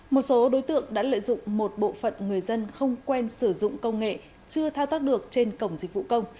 một số đối tượng đã lợi dụng một bộ phận người dân không quen sử dụng công nghệ chưa thao tác được trên cổng dịch vụ công